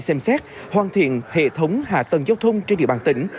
xem xét hoàn thiện hệ thống hạ tầng giao thông trên địa bàn tỉnh